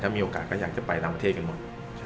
มีโอกาสก็อยากจะไปต่างประเทศกันหมด